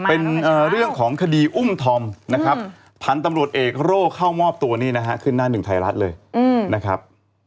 เป็นเรื่องของคดีอุ้มธอมนะครับพันธุ์ตำรวจเอกโร่เข้ามอบตัวนี่นะฮะขึ้นหน้าหนึ่งไทยรัฐเลยนะครับ